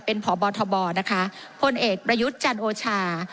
เป็นพบพเอประยุจจโอช่า